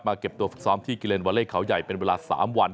เก็บตัวฝึกซ้อมที่กิเลนวาเล่เขาใหญ่เป็นเวลา๓วัน